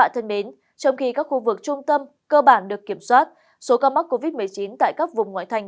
thân mến trong khi các khu vực trung tâm cơ bản được kiểm soát số ca mắc covid một mươi chín tại các vùng ngoại thành